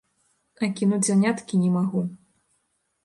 А кінуць заняткі не магу.